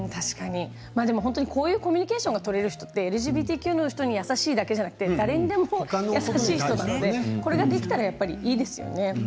こういうコミュニケーションが取れる人はＬＧＢＴＱの人に優しいだけでなくて誰にでも優しい人なのでこれができたらいいですよね。